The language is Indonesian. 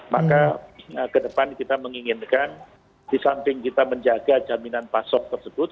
maka kedepan kita menginginkan disamping kita menjaga jaminan pasok tersebut